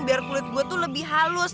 biar kulit gue tuh lebih halus